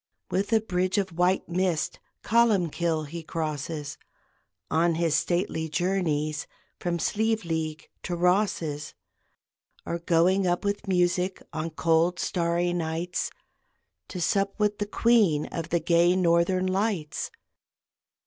With a bridge of white mist Columbkill he crosses, On his stately journeys From Slieveleague to Rosses; Or going up with music, On cold starry nights, To sup with the Queen Of the gay Northern Lights.